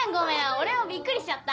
俺もびっくりしちゃった。